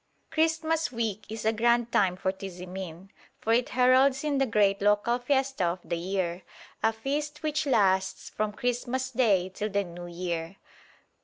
Christmas week is a grand time for Tizimin, for it heralds in the great local fiesta of the year, a feast which lasts from Christmas day till the New Year.